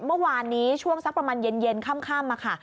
เมื่อวานนี้ช่วงสักประมาณเย็นค่ำค่ะ